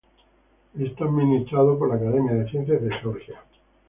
Está administrado por la "Academia de Ciencias de Georgia".